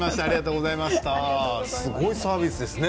すごいサービスですね。